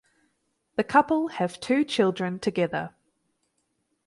The couple have two children together.